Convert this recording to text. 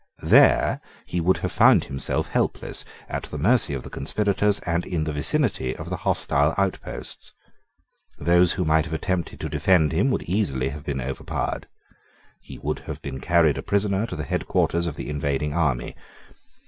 There he would have found himself helpless, at the mercy of the conspirators, and in the vicinity of the hostile outposts. Those who might have attempted to defend him would have been easily overpowered. He would have been carried a prisoner to the head quarters of the invading army.